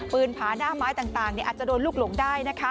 ผาหน้าไม้ต่างอาจจะโดนลูกหลงได้นะคะ